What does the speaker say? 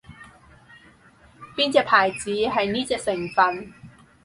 邊隻牌子係呢隻成份